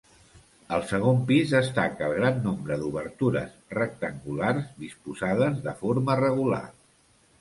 Al segon pis destaca el gran nombre d'obertures rectangulars, disposades de forma regular.